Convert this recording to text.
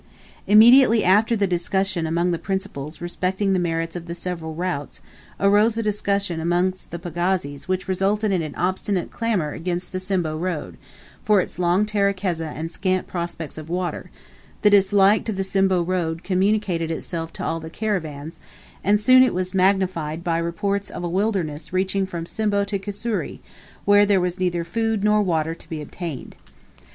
Immediately after the discussion among the principals respecting the merits of the several routes, arose a discussion among the pagazis which resulted in an obstinate clamor against the Simbo road, for its long terekeza and scant prospects of water, the dislike to the Simbo road communicated itself to all the caravans, and soon it was magnified by reports of a wilderness reaching from Simbo to Kusuri, where there was neither food nor water to be obtained.